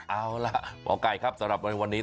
เอาล่ะหมอไก่ครับสำหรับในวันนี้